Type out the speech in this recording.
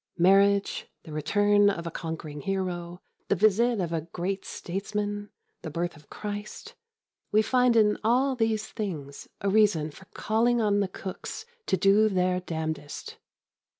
Marriage, the return of a conquering hero, the visit of a great statesman, the birth of Christ we find in all these things a reason for calling on the cooks to do their damnedest.